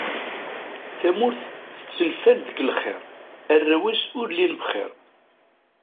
Tamurt tettenfal deg lxir, arraw-is ur llin bxir.